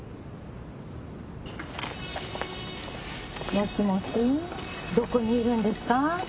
もしもしどこにいるんですか？